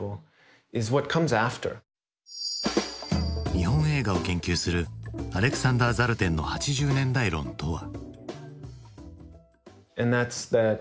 日本映画を研究するアレクサンダー・ザルテンの８０年代論とは。